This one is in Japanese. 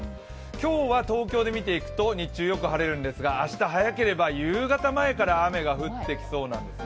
今日は東京で見ていくと日中よく晴れるんですが明日早ければ夕方前から雨が降ってきそうなんですね。